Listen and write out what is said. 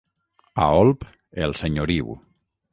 A Olp, el senyoriu.